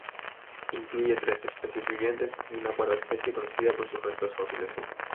Incluye tres especies vivientes y una cuarta especie conocida por sus restos fósiles.